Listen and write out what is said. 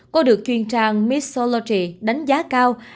cô được chuyên trang missology đánh giá cao